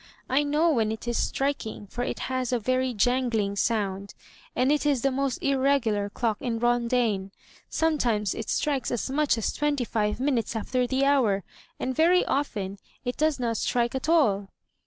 I know when it is striking, for it has a very jangling sound, and it is the most irregular clock in Rondaine. Sometimes it strikes as much as twenty five minutes after the hour, and very often it does not strike at all."